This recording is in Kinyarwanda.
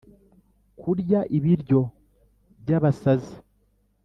kurya ibiryo byabasazi.